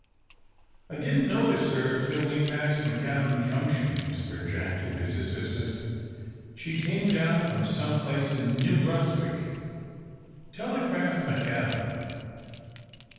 "I didn't notice her till we passed McAdam Junction," whispered Jack to his assistant. "She's come down from some place in New Brunswick. Telegraph McAdam."